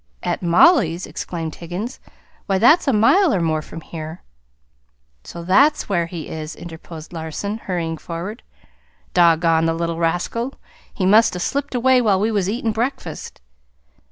"At Mollie's!" exclaimed Higgins. "Why, that's a mile or more from here." "So that's where he is!" interposed Larson, hurrying forward. "Doggone the little rascal! He must 'a' slipped away while we was eatin' breakfast."